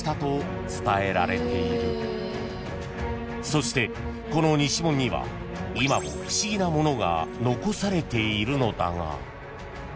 ［そしてこの西門には今も不思議なものが残されているのだが］